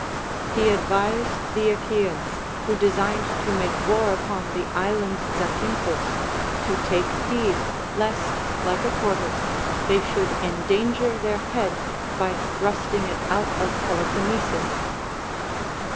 lie advised the Achaeans, who designed to make war upon the Island Zacynthus, to take heed lest, like a tortoise, they should endanger their head by thrusting it out of Peloponnesus.